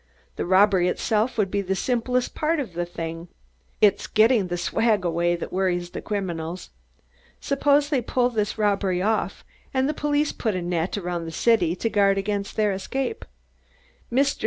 The robbery itself would be the simplest part of the thing. It is getting the swag away that worries the criminals. Suppose they pull this robbery off and the police put a net around the city to guard against their escape. Mr.